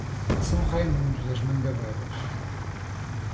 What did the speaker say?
São Raimundo das Mangabeiras